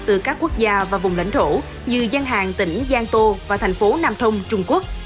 từ các quốc gia và vùng lãnh thổ như gian hàng tỉnh giang tô và thành phố nam thông trung quốc